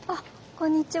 こんにちは。